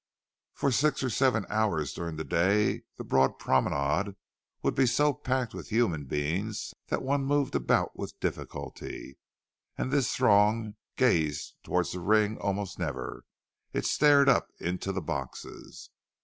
For six or seven hours during the day the broad promenade would be so packed with human beings that one moved about with difficulty; and this throng gazed towards the ring almost never—it stared up into the boxes.